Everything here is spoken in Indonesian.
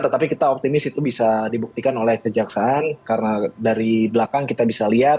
tetapi kita optimis itu bisa dibuktikan oleh kejaksaan karena dari belakang kita bisa lihat